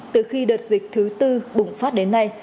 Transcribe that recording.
từ khi đợt dịch thứ tư bùng phát đến nay